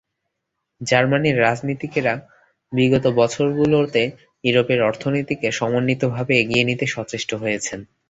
জার্মানির রাজনীতিকেরা বিগত বছরগুলোতে ইউরোপের অর্থনীতিকে সমন্বিতভাবে এগিয়ে নিতে সচেষ্ট হয়েছেন।